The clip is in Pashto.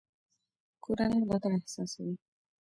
کورنۍ ملاتړ احساسوي.